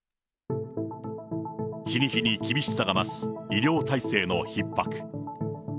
日に日に厳しさが増す医療体制のひっ迫。